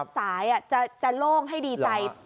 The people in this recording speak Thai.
สายจะโล่งให้ดีใจ